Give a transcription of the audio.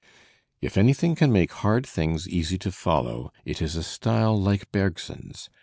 "If anything can make hard things easy to foUow it is a style like Ber gson's.